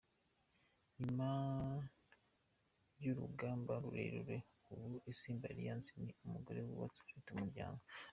Nyuma y'urugamba rurerure, ubu Isimbi Alliance ni umugore wubatse ufite umuryango.